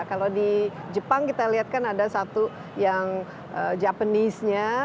kalau di jepang kita lihat kan ada satu yang japanese nya